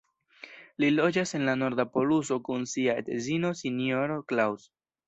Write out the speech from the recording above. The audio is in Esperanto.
Li loĝas en la Norda Poluso kun sia edzino, Sinjorino Claus.